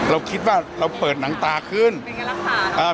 เราคิดว่าเราเปิดหนังตาขึ้นเป็นการรักษา